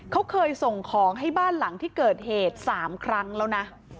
เขาเคยส่งของให้บ้านหลังที่เกิดเหตุ๓ครั้งแล้วนะ